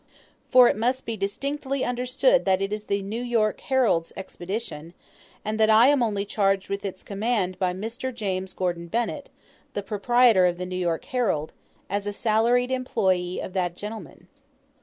For it must be distinctly understood that it is the "'New York Herald' Expedition," and that I am only charged with its command by Mr. James Gordon Bennett, the proprietor of the 'New York Herald,' as a salaried employ of that gentleman.